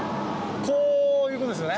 こう行くんですよね？